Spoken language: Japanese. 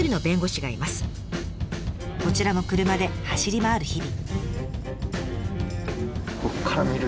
こちらも車で走り回る日々。